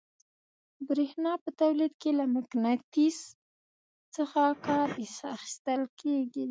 برېښنا په تولید کې له مقناطیس څخه کار اخیستل کیږي.